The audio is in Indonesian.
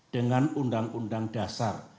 dengan undang undang dasar